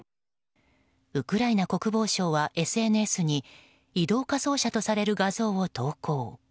ウクライナ国防省はＳＮＳに移動火葬車とされる画像を投稿。